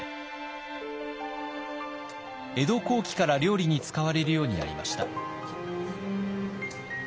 江戸後期から料理に使われるようになりました。